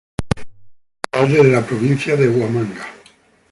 Fue alcalde de la "Provincia de Huamanga".